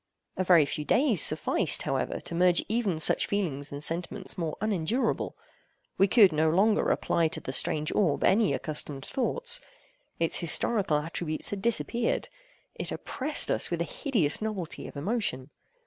A very few days sufficed, however, to merge even such feelings in sentiments more unendurable We could no longer apply to the strange orb any accustomed thoughts. Its historical attributes had disappeared. It oppressed us with a hideous novelty of emotion.